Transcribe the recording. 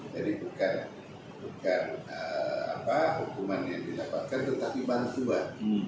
jadi bukan hukuman yang didapatkan tetapi bantuan